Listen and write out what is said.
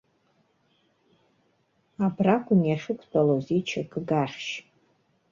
Абракәын иахьықәтәалоз ичакыга ахьшь.